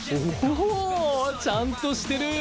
おおちゃんとしてる。